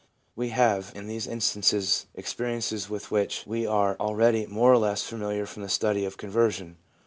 We have in these instances experiences with which we are already more or less familiar from the study of conversion.